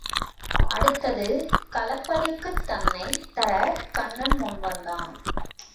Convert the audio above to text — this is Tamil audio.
அடுத்தது களப்பளிக்குத் தன்னைத் தரக் கண்ணன் முன் வந்தான்.